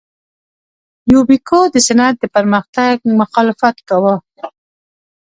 یوبیکو د صنعت د پرمختګ مخالفت کاوه.